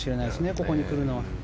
ここに来るのは。